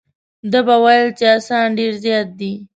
ده به ویل چې اسان ډېر زیات دي.